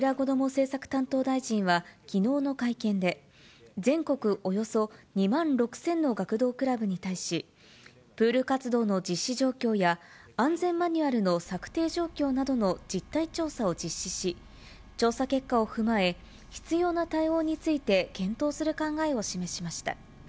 政策担当大臣は、きのうの会見で、全国およそ２万６０００の学童クラブに対し、プール活動の実施状況や、安全マニュアルの策定状況などの実態調査を実施し、調査結果を踏まえ、必要な対応について検討する考えを示しました。